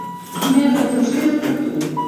Merda fustera per tu.